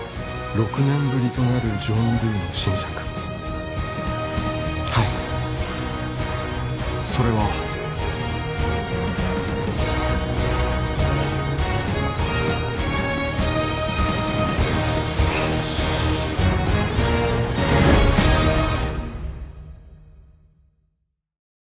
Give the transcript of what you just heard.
６年ぶりとなるジョン・ドゥの新作はいそれはよし